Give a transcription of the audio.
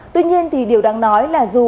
tuy nhiên thì điều đáng nói là dù